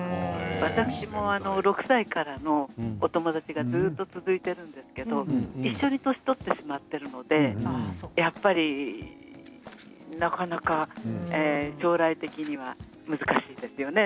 私も６歳からのお友達がずっと続いているんですけれども一緒に年を取ってしまっているのでやっぱりなかなか、将来的には難しいですよね。